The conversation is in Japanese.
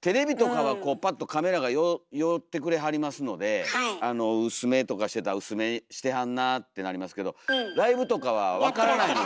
テレビとかはパッとカメラが寄ってくれはりますので薄目とかしてたら「薄目してはんな」ってなりますけどライブとかは分からないので。